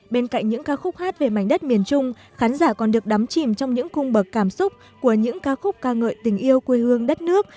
bên cạnh những ca khúc hát về mảnh đất miền trung khán giả còn được đắm chìm trong những cung bậc cảm xúc của những ca khúc ca ngợi tình yêu quê hương đất nước